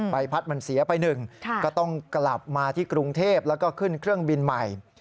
ใบพัดมันเสียไปหนึ่งก็ต้องกลับมาที่กรุงเทพแล้วก็ขึ้นเครื่องบินใหม่